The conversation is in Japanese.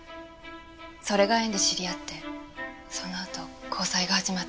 それが縁で知り合ってそのあと交際が始まって。